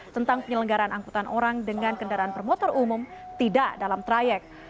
tentang penyelenggaran angkutan orang dengan kendaraan bermotor umum tidak dalam trayek